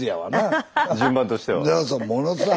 順番としては。